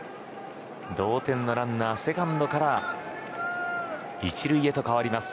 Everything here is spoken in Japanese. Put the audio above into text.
同点のランナー、セカンドから１塁へと変わります。